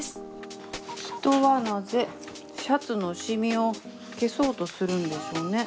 人はなぜシャツのシミを消そうとするんでしょうね。